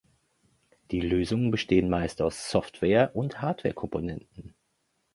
Die Lösungen bestehen meist aus Software- und Hardware-Komponenten.